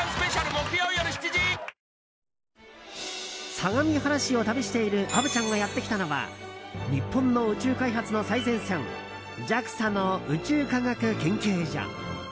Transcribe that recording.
相模原市を旅している虻ちゃんがやってきたのは日本の宇宙開発の最前線ＪＡＸＡの宇宙科学研究所。